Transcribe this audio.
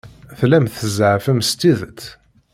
Tellam tzeɛfem s tidet?